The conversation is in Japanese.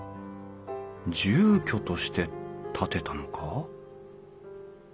住居として建てたのか？